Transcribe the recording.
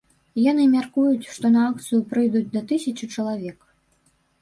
Яны мяркуюць, што на акцыю прыйдуць да тысячы чалавек.